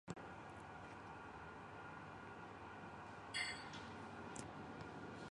Buah cempedak di luar pagar, ambil galah tolong jolokkan.